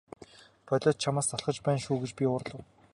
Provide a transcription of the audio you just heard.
Болиоч чамаас залхаж байна шүү гэж би уурлав.